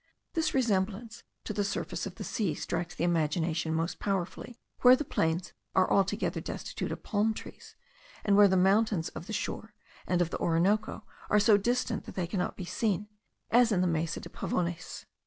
This resemblance to the surface of the sea strikes the imagination most powerfully where the plains are altogether destitute of palm trees; and where the mountains of the shore and of the Orinoco are so distant that they cannot be seen, as in the Mesa de Pavones.